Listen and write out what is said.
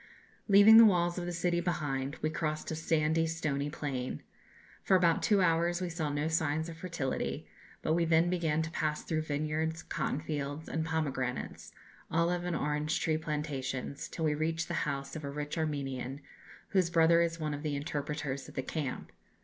"Leaving the walls of the city behind, we crossed a sandy, stony plain. For about two hours we saw no signs of fertility; but we then began to pass through vineyards, cotton fields, and pomegranates, olive and orange tree plantations, till we reached the house of a rich Armenian, whose brother is one of the interpreters at the camp.